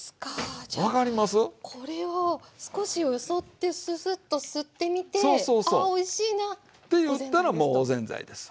じゃあこれを少しよそってすすっと吸ってみてああおいしいな。って言ったらもうおぜんざいですわ。